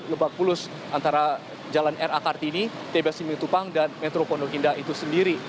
di tempat saya berada di antara jalan r a kartini tbs simil tupang dan metro pondokinda itu sendiri